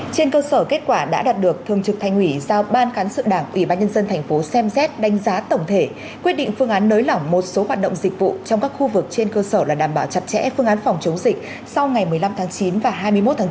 trên cơ sở kết quả đã đạt được thường trực thành ủy giao ban cán sự đảng ủy ban nhân dân thành phố xem xét đánh giá tổng thể quyết định phương án nới lỏng một số hoạt động dịch vụ trong các khu vực trên cơ sở là đảm bảo chặt chẽ phương án phòng chống dịch sau ngày một mươi năm tháng chín và hai mươi một tháng bốn